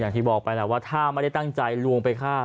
อย่างที่บอกไปแหละว่าถ้าไม่ได้ตั้งใจลวงไปฆ่า